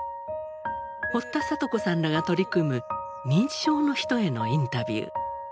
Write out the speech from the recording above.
堀田聰子さんらが取り組む認知症の人へのインタビュー。